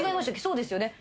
そうですよね？